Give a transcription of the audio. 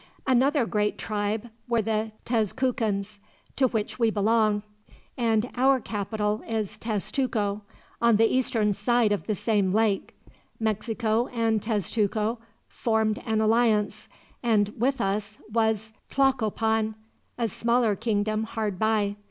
"Another great tribe were the Tezcucans, to which we belong; and our capital is Tezcuco, on the eastern side of the same lake. Mexico and Tezcuco formed an alliance; and with us was Tlacopan, a smaller kingdom, hard by.